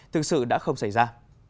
thực sự đã không xảy ra